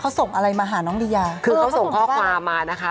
เขาส่งอะไรมาหาน้องลียาคือเขาส่งข้อความมานะคะ